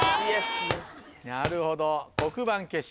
なるほど黒板消し。